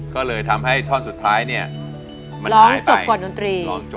ขอทำสักคำยังคุ้นข้อง